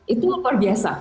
itu luar biasa